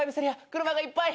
車がいっぱい。